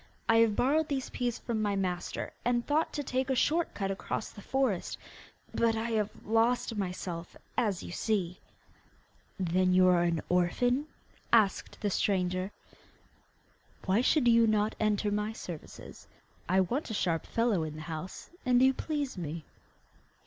I have borrowed these peas from my master, and thought to take a short cut across the forest; but I have lost myself, as you see.' 'Then you are an orphan?' asked the stranger. 'Why should you not enter my service? I want a sharp fellow in the house, and you please me.